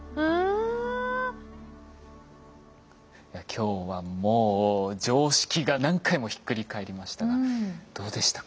今日はもう常識が何回もひっくり返りましたがどうでした？